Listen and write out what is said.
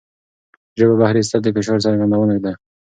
ژبه بهر ایستل د فشار څرګندونه ده.